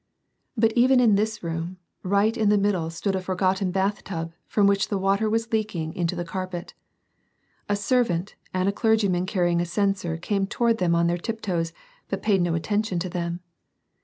Bat even in this room, right in the middle stood a for gotten bath tub, from which the water was leaking into the carpet. A servant, and a clergyman carrying a censer came toward them on their tiptoes but paid no attention to them.